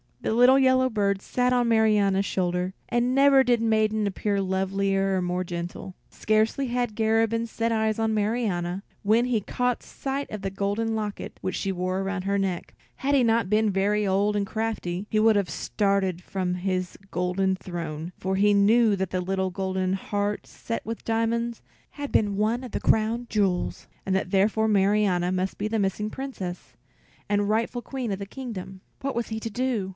The little yellow bird sat on Marianna's shoulder, and never did maiden appear lovelier or more gentle. Scarcely had Garabin set eyes on Marianna, when he caught sight of the golden locket which she wore about her neck. Had he not been very old and crafty, he would have started from his golden throne, for he knew that the little golden heart set with diamonds had been one of the crown jewels, and that therefore Marianna must be the missing Princess, and rightful queen of the kingdom. What was he to do?